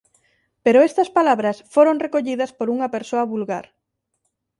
Pero estas palabras foron recollidas por unha persoa vulgar.